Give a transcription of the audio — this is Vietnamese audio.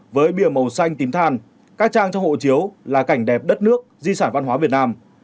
với bìa màu xanh tím than các trang trong hộ chiếu là cảnh đẹp đất nước di sản văn hóa việt nam